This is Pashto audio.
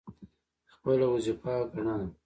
خپله وظیفه ګڼله.